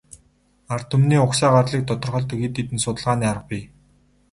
Ард түмний угсаа гарлыг тодорхойлдог хэд хэдэн судалгааны арга бий.